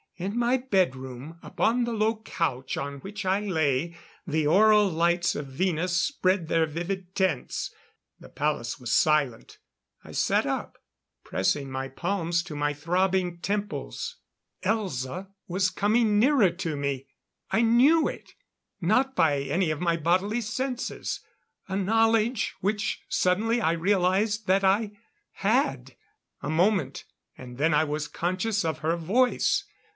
In my bedroom, upon the low couch on which I lay, the aural lights of Venus spread their vivid tints. The palace was silent; I sat up, pressing my palms to my throbbing temples. Elza was coming nearer to me! I knew it. Not by any of my bodily senses. A knowledge, which suddenly I realized that I had. A moment, and then I was conscious of her voice!